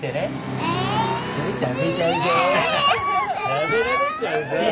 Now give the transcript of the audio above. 食べられちゃうぞ碧唯。